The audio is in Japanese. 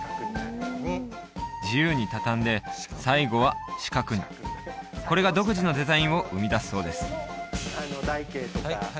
自由に畳んで最後は四角にこれが独自のデザインを生み出すそうです